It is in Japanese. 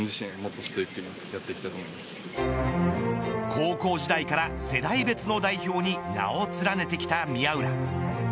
高校時代から世代別の代表に名を連ねてきた宮浦。